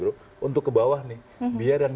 bro untuk ke bawah nih biar yang